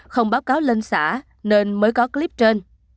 không báo cáo lên xã nên mới có clip trên